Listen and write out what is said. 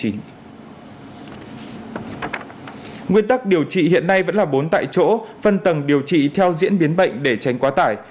nguyên tắc điều trị hiện nay vẫn là bốn tại chỗ phân tầng điều trị theo diễn biến bệnh để tránh quá tải